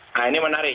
nah ini menarik